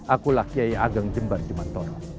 akulah kiai ageng jembar jemantoro